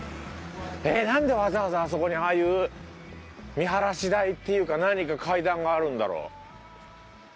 えなんでわざわざあそこにああいう見晴らし台っていうか何か階段があるんだろう？